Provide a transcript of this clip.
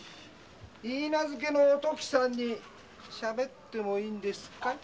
いいなずけのお時さんにしゃべってもいいですか？